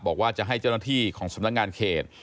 บอกว่าจะให้เจ้าหน้าที่ของสำนักงานเขต